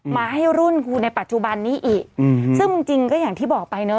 มาให้รุ่นกูในปัจจุบันนี้อีกซึ่งจริงก็อย่างที่บอกไปนะ